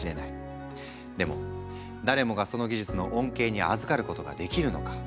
でも誰もがその技術の恩恵にあずかることができるのか？